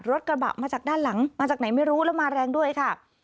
รถกระบะมาจากด้านหลังมาจากไหนไม่รู้แล้วมาแรงด้วยค่ะ